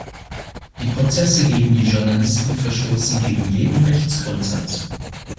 Die Prozesse gegen die Journalisten verstoßen gegen jeden Rechtsgrundsatz.